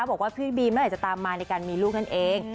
บอกว่าพี่บีมเมื่อไหร่จะตามมาในการมีลูกนั่นเอง